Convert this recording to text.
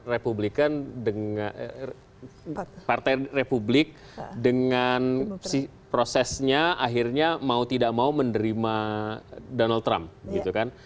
republikan dengan partai republik dengan prosesnya akhirnya mau tidak mau menerima donald trump gitu kan